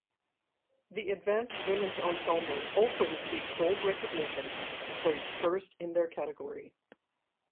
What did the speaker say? The Advanced Women's Ensemble also received gold recognition and placed first in their category.